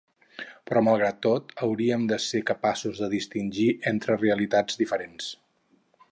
Però, malgrat tot, hauríem de ser capaços de distingir entre realitats diferents.